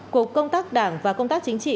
của công tác đảng và công tác chính trị